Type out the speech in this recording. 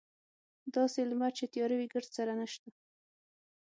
داسې لمر چې تیاره وي ګردسره نشته.